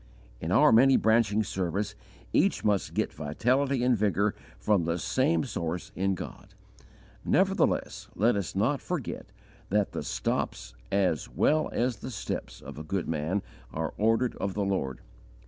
In our many branching service each must get vitality and vigour from the same source in God. Nevertheless let us not forget that the stops, as well as the steps, of a good man are ordered of the Lord.